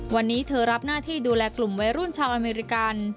วันนี้เธอรับหน้าที่ดูแลกลุ่มวัยรุ่นชาวอเมริกัน